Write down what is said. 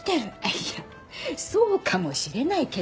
いやそうかもしれないけど。